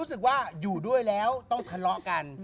รู้สึกว่าอยู่ด้วยแล้วต้องทะเลาะกัน